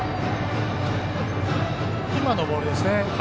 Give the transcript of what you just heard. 今のボールですね。